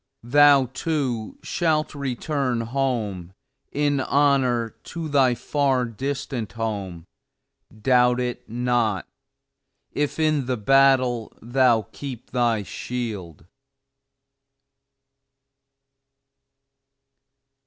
Thou, too, shalt return home, in honor to thy far distant home, doubt it not if in the battle thou keep thy shield.